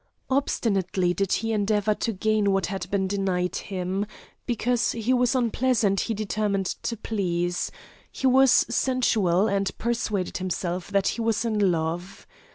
Obstinately did he endeavour to gain what had been denied him; because he was unpleasant he determined to please. He was sensual, and persuaded himself that he was in love.